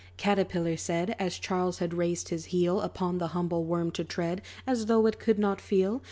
Caterpillar said, As Charles had raised his heel Upon the humble worm to tread, As though it could not feel.